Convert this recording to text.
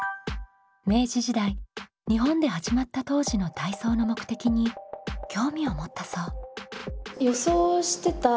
明治時代日本で始まった当時の体操の目的に興味を持ったそう。